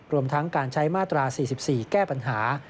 รวมทั้งการใช้มาตรา๔๔แก้ปัญหา